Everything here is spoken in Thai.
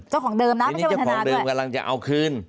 เจ้าของเดิมนะทีนี้เจ้าของเดิมกำลังจะเอาคืน